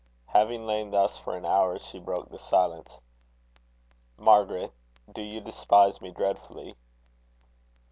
Having lain thus for an hour, she broke the silence. "Margaret, do you despise me dreadfully?"